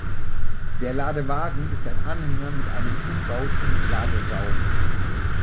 Der Ladewagen ist ein Anhänger mit einem umbauten Laderaum.